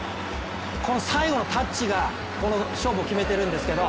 この最後のタッチがこの勝負を決めてるんです